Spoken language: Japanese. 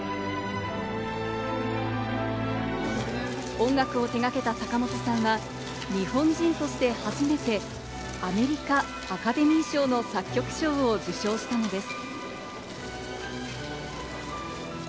音楽を手がけた坂本さんは日本人として初めてアメリカアカデミー賞の作曲賞を受賞したのです。